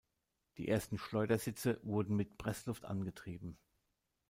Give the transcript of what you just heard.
Die ersten Schleudersitze wurden mit Pressluft angetrieben.